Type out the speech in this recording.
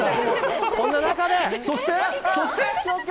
そして？